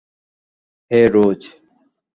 হ্যাঁ, রোজ।